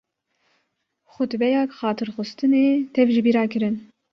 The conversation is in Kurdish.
Xutbeya Xatirxwestinê tev ji bîra kirin.